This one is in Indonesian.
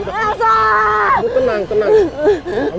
iya cari harus sampai ketemu